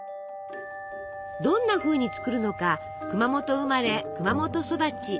どんなふうに作るのか熊本生まれ熊本育ち。